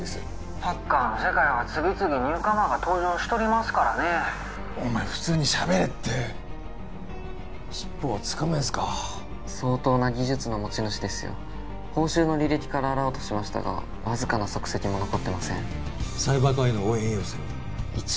ハッカーの世界は次々ニューカマーが登場しとりますからねお前普通にしゃべれってシッポはつかめずか相当な技術の持ち主ですよ報酬の履歴から洗おうとしましたがわずかな足跡も残ってませんサイバー課への応援要請は？